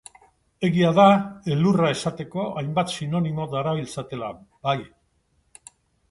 Egia da elurra esateko hainbat sinonimo darabiltzatela, bai.